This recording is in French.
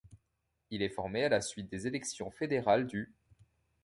Il est formé à la suite des élections fédérales du.